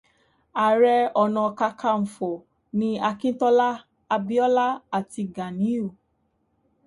Ààrẹ Ọ̀nà Kakaǹfò ni Akíntọ́lá, Abíọ́lá, àti Gàníyù